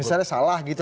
misalnya salah gitu